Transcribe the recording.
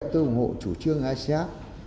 tôi ủng hộ chủ trương asean